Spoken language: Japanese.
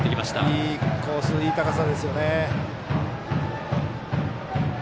いいコース、いい高さです。